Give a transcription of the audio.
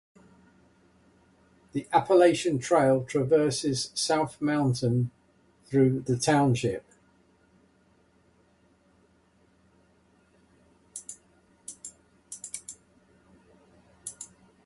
The Appalachian Trail traverses South Mountain through the township.